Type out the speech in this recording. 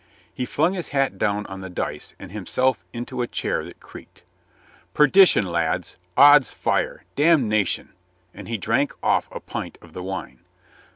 He flung his hat down on the dice and himself into a chair that creaked, "Perdition, lads! Ods fire! Damnation!" and he drank off a pint of the wine.